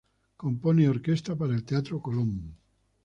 Compone y orquesta para el Teatro Colón.